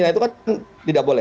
itu kan tidak boleh